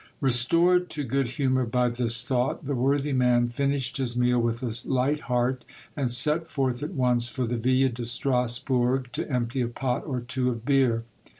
Restored to good humor by this thought, the worthy man finished his meal with a light heart, and set forth at once for the Ville de Strasbourg, to empty a pot or two of beer.